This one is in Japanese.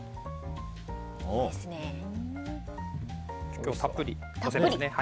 今日はたっぷりのせます。